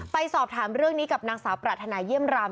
ไปสอบถามเรื่องนี้กับนางสาวปรารถนาเยี่ยมรำ